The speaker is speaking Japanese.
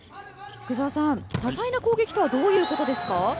福澤さん、多彩な攻撃とはどういうことですか。